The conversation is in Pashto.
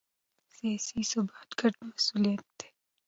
سیاسي ثبات ګډ مسوولیت دی